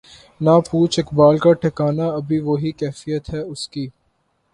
نہ پوچھ اقبال کا ٹھکانہ ابھی وہی کیفیت ہے اس کی